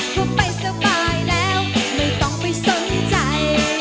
กูไปสบายแล้วไม่ต้องไปสนใจ